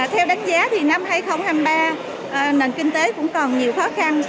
theo đánh giá thì năm hai nghìn hai mươi ba nền kinh tế cũng còn nhiều khó khăn